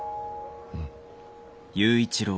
うん。